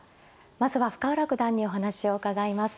まずは深浦九段にお話を伺います。